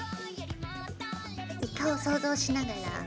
イカを想像しながら。